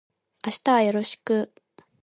明日はよろしく